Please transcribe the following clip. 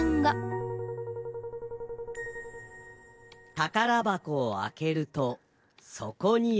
「たからばこをあけると、そこには」。